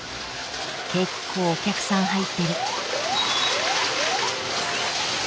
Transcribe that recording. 結構お客さん入ってる。